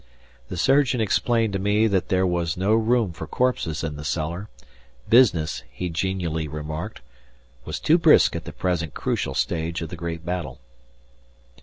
The surgeon explained to me that there was no room for corpses in the cellar; business, he genially remarked, was too brisk at the present crucial stage of the great battle.